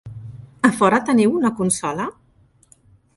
A fora teniu una consola?